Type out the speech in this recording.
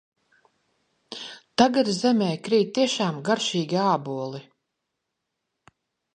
Tagad zemē krīt tiešām garšīgi āboli.